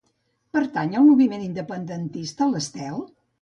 Pertany al moviment independentista l'Estel?